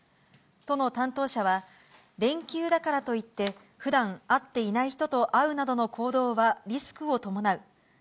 都の担当者は、連休だからといって、ふだん会っていない人と会うなどの行動はリスクを伴う。